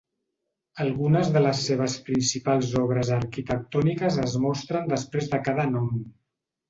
Algunes de les seves principals obres arquitectòniques es mostren després de cada nom.